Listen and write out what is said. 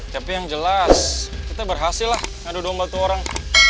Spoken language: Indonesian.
tapi yang jelas kita berhasil lah ngadu domba tuh orang